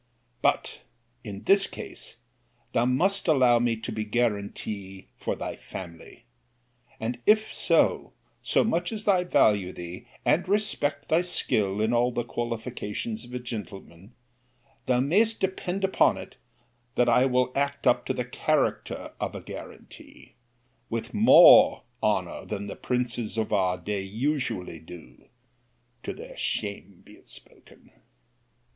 But, in this case, thou must allow me to be guarantee for thy family. And, if so, so much as I value thee, and respect thy skill in all the qualifications of a gentleman, thou mayest depend upon it, that I will act up to the character of a guarantee, with more honour than the princes of our day usually do——to their shame be it spoken.